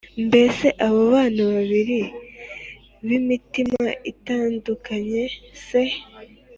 mbese aba bana babiri b’imitima itandukanye se